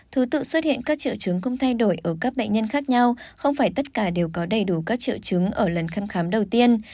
thứ tự xuất hiện các triệu chứng không thay đổi ở các bệnh nhân khác nhau không phải tất cả đều có đầy đủ các triệu chứng ở lần thăm khám đầu tiên